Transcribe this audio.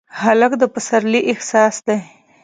هلک د پسرلي احساس دی.